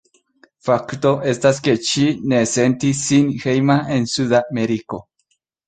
Fakto estas ke ŝi ne sentis sin hejma en Suda Ameriko.